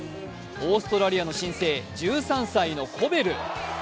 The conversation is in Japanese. オーストラリアの新星、１３歳のコベル。